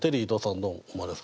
どう思われますか？